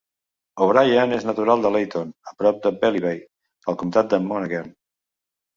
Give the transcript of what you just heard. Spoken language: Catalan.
O'Brien és natural de Latton, a prop de Ballybay, al comtat de Monaghan.